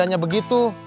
gak hanya begitu